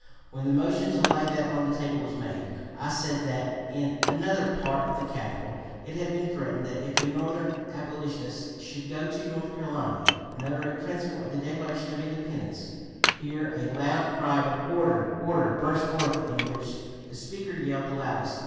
When the motion to lay that on the table was made, I said that, 'In another part of the Capitol it had been threatened that if a Northern abolitionist should go to North Carolina, and utter a principle of the Declaration of Independence' Here a loud cry of 'order! order!' burst forth, in which the Speaker yelled the loudest.